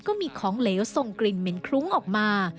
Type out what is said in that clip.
ก็มีของเหลวทรงกลิ่นเหม็นคลุ้งออกมา